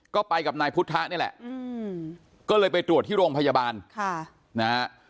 ก็ไปกับนายพุทธะนี่แหละก็เลยไปตรวจที่โรงพยาบาลค่ะนะฮะ